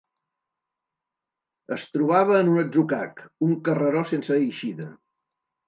Es trobava en un atzucac, un carreró sense eixida.